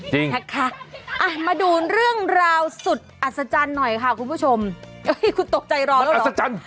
จริงนะคะอ่ะมาดูเรื่องราวสุดอัศจรรย์หน่อยค่ะคุณผู้ชมคุณตกใจร้อนอัศจรรย์